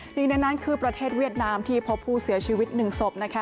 หนึ่งในนั้นคือประเทศเวียดนามที่พบผู้เสียชีวิต๑ศพนะคะ